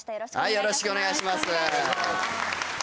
よろしくお願いします